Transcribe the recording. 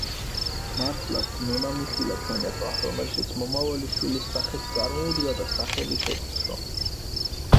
მართლაც ნონამ იხილა ჩვენება, რომელშიც მომავალი შვილის სახეც წარმოუდგა და სახელიც ემცნო.